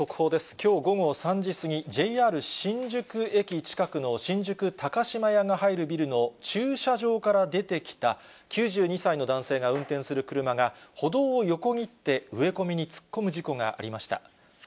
きょう午後３時過ぎ、ＪＲ新宿駅近くの新宿高島屋が入るビルの駐車場から出てきた９２歳の男性が運転する車が、歩道を横切って、植え込みに突っ込む事故がありました。